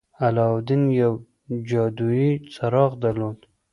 علاوالدين يو جادويي څراغ درلود.